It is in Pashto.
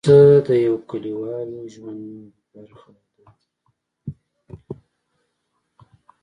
پسه د یوه کلیوالو ژوند برخه ده.